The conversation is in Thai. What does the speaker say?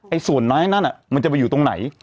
ไอ้ส่วนน้อยนั่นน่ะมันจะไปอยู่ตรงไหน